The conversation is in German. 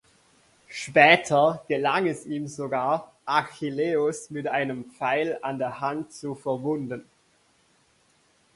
Später gelang es ihm sogar, Achilleus mit einem Pfeil an der Hand zu verwunden.